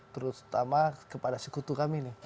terutama kepada sekutu kami nih